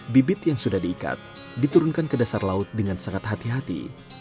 bibit yang sudah diikat diturunkan ke dasar laut dengan sangat hati hati